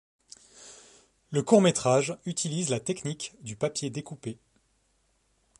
Le court métrage utilise la technique du papier découpé.